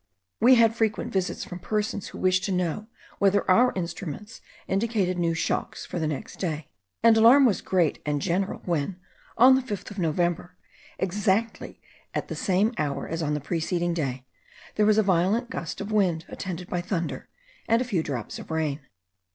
We had frequent visits from persons who wished to know whether our instruments indicated new shocks for the next day; and alarm was great and general when, on the 5th of November, exactly at the same hour as on the preceding day, there was a violent gust of wind, attended by thunder, and a few drops of rain.